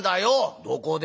「どこで？」。